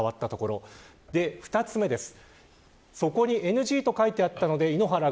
２つ目です。